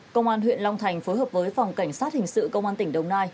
công an huyện long thành phối hợp với phòng cảnh sát hình sự công an tỉnh đồng nai